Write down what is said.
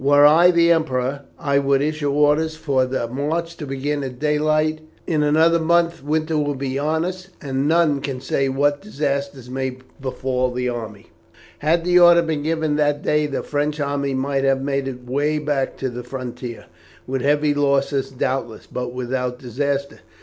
Were I the Emperor I would issue orders for the march to begin at daylight. In another month winter will be on us, and none can say what disasters may befall the army." Had the order been given that day the French army might have made its way back to the frontier, with heavy loss doubtless, but without disaster.